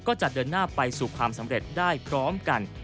ก็จะเดินหน้าไปสู่ความสำเร็จได้พร้อมกัน